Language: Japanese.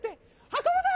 はこぶぞ！